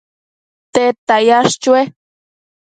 tedta yash chue?